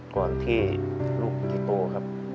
ก่อนที่ลูกจะโตครับ